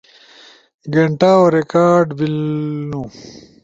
گینٹاؤ ریکارڈ بیلنو